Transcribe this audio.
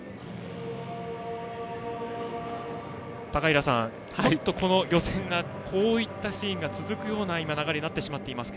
高平さん、ちょっと予選でこういったシーンが続くような流れになってしまっています。